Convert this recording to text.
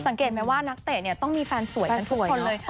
สังเกตไหมว่านักเตะเนี่ยต้องมีแฟนสวยกันทุกคนเลย